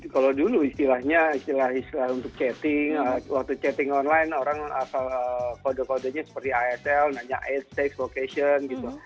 kalau dulu istilahnya istilah istilah untuk chatting waktu chatting online orang asal kode kodenya seperti asl nanya h enam vocation gitu